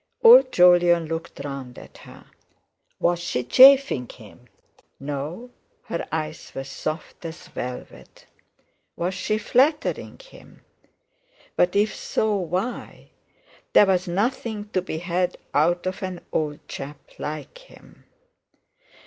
Old Jolyon looked round at her. Was she chaffing him? No, her eyes were soft as velvet. Was she flattering him? But if so, why? There was nothing to be had out of an old chap like him.